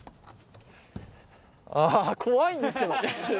あー、怖いんですけど。